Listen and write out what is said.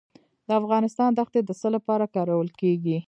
د افغانستان دښتې د څه لپاره کارول کیږي؟